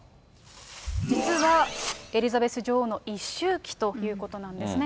実はエリザベス女王の一周忌ということなんですね。